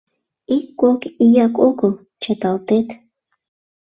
— Ик-кок ияк огыл, чыталтет!..